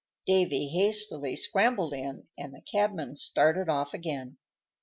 Davy hastily scrambled in, and the cabman started off again.